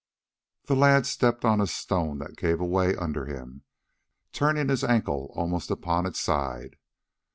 The lad stepped on a stone that gave way under him, turning his ankle almost upon its side.